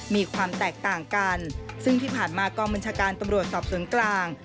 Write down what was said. มีความแตกต่างกันซึ่งที่ผ่านมากองบัญชาการตำรวจสอบสวนกลาง